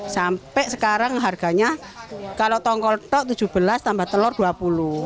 sampai sekarang harganya kalau tongkol tok rp tujuh belas tambah telur rp dua puluh